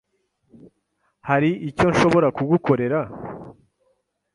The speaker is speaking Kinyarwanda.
Hari icyo nshobora kugukorera?